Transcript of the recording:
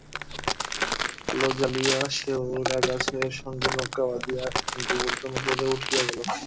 আলো জ্বালিয়া শ্যাওড়াগাছের সঙ্গে নৌকা বাধিয়া গোবর্ধন উপরে উঠিয়া গেল।